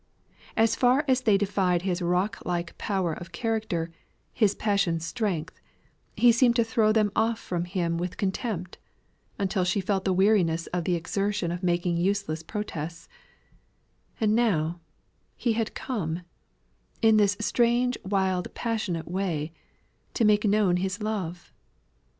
As far as they defied his rock like power of character, his passion strength, he seemed to throw them off from him with contempt, until she felt the weariness of the exertion of making useless protests; and now, he had come, in this strange wild passionate way, to make known his love!